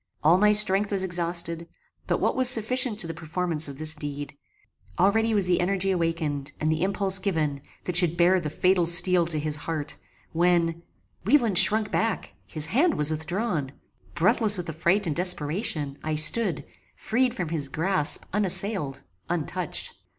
All my strength was exhausted, but what was sufficient to the performance of this deed. Already was the energy awakened, and the impulse given, that should bear the fatal steel to his heart, when Wieland shrunk back: his hand was withdrawn. Breathless with affright and desperation, I stood, freed from his grasp; unassailed; untouched.